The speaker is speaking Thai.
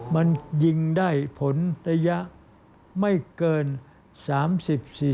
มันยิงได้ผลระยะไม่เกิน๓๐๔๐